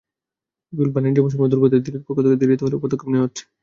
বিপুল বাণিজ্যবৈষম্য দূর করতে দিল্লির পক্ষ থেকে দেরিতে হলেও পদক্ষেপ নেওয়া হচ্ছে।